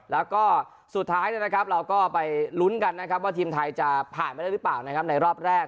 แล้วก็สุดท้ายเราก็ไปลุ้นกันนะครับว่าทีมไทยจะผ่านไปได้หรือเปล่านะครับในรอบแรก